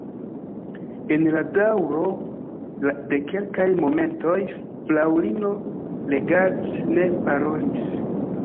En la daŭro de kelkaj momentoj fraŭlino Leggat ne parolis.